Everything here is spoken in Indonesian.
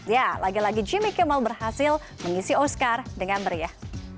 ya lagi lagi jimmy kemal berhasil mengisi oscar dengan meriah